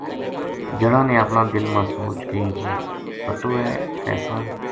جنا نے اپنا دل ما سوچ کئی جی کے پتو ہے پیساں